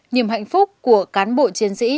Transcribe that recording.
niềm hạnh phúc của cán bộ chiến sĩ